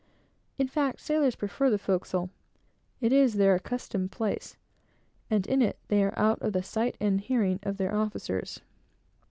In fact, sailors prefer the forecastle. It is their accustomed place, and in it they are out of the sight and hearing of their officers.